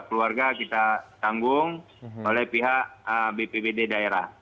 keluarga kita tanggung oleh pihak bpbd daerah